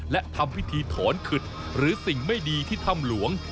และทำพิธีถอนขึดหรือสิ่งไม่ดีที่ถ้ำหลวง